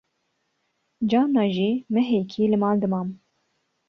carna jî mehekî li mal dimam